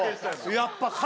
やっぱ。